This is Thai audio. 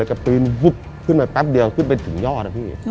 แล้วก็ปีนวุ๊บขึ้นไปแป๊บเดียวขึ้นไปถึงยอดนะพี่